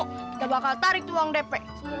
kita bakal tarik uang dp